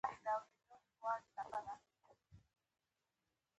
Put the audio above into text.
د اسلامي تعلمیاتو په صفحاتو کې هم.